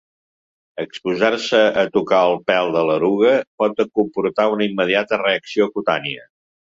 Exposar-se a tocar el pèl de l'eruga pot comportar una immediata reacció cutània.